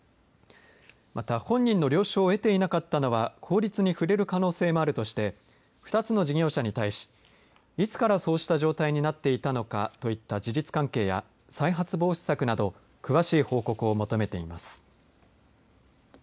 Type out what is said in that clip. また本人の了承を得ていなかったなどと法律に触れる可能性もあるとして２つの事業者に対しいつから、そうした状態になっていたのかといった事実関係や再発防止策など詳しく報告を求めています。